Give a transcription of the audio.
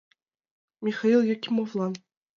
Михаил Якимовлан